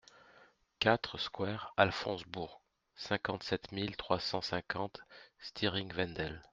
quatre square Alphonse Bourg, cinquante-sept mille trois cent cinquante Stiring-Wendel